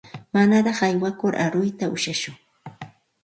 Manaraq aywakur aruyta ushashun.